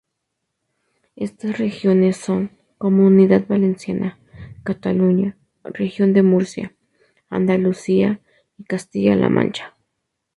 Estas regiones son: Comunidad Valenciana, Cataluña, Región de Murcia, Andalucía y Castilla-La Mancha.